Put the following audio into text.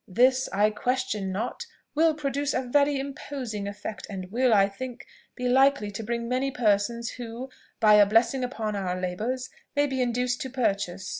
This, I question not, will produce a very imposing effect, and will, I think, be likely to bring many persons who, by a blessing upon our labours, may be induced to purchase.